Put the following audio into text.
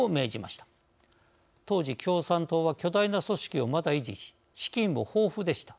当時共産党は巨大な組織をまだ維持し資金も豊富でした。